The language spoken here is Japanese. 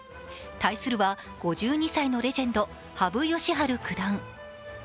対するは５２歳のレジェンド羽生善治九段。